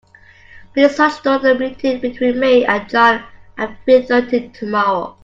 Please schedule a meeting between me and John at three thirty tomorrow.